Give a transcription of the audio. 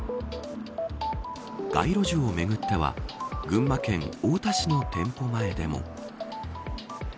街路樹をめぐっては群馬県太田市の店舗前でも。